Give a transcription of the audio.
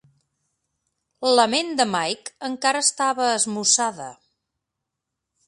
La ment de Mike encara estava esmussada.